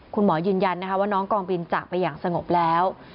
คุณหมอยืนยันนะคะว่าน้องกองบินจากไปอย่างสงบแล้ว